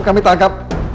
nanti jelasin di kantor